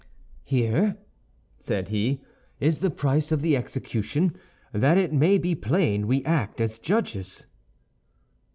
"Here," said he, "is the price of the execution, that it may be plain we act as judges."